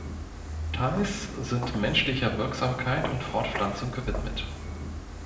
Teils sind menschlicher Wirksamkeit und Fortpflanzung gewidmet.